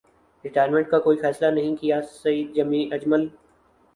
retire minute کا کوئی فیصلہ نہیں کیاسعید اجمل